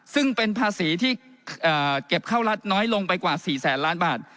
ซึ่งเป็นภาษีที่เก็บเข้ารัฐน้อยลงไปกว่า๔แสนล้านบาท